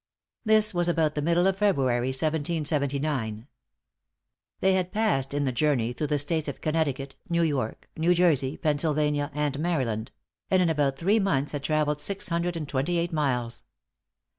This was about the middle of February, 1779. They had passed, in the journey, through the States of Connecticut, New York, New Jersey, Pennsylvania, and Maryland; and in about three months had travelled six hundred and twenty eight miles.